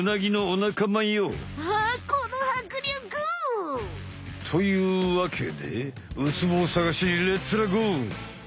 ああこのはくりょく！というわけでウツボをさがしにレッツらゴー！